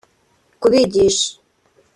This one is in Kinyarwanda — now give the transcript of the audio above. kubigisha